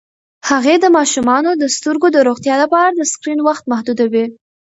هغې د ماشومانو د سترګو د روغتیا لپاره د سکرین وخت محدودوي.